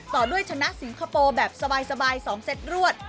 ต่อด้วยชนะสิงคโปร์แบบสบาย๒เซตรวด